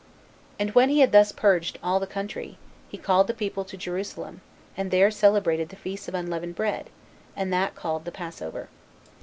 And when he had thus purged all the country, he called the people to Jerusalem, and there celebrated the feast of unleavened bread, and that called the passover.